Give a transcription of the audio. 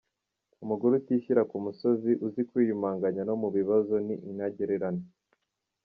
Umugore utishyira ku musozi, uzi kwiyumanganya no mu bibazo ni intagereranywa.